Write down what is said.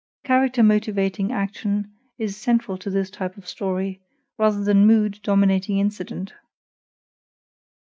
Character motivating action is central to this type of story, rather than mood dominating incident.